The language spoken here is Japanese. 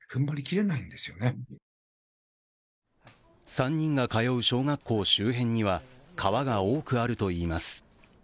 ３人が通う小学校周辺には川が多くあるといいます。